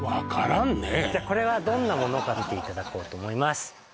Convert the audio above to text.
じゃあこれはどんなものか見ていただこうと思います